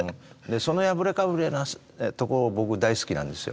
その破れかぶれなところ僕大好きなんですよ